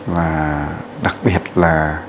và đặc biệt là